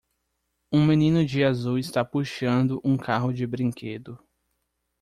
Um menino de azul está puxando um carro de brinquedo.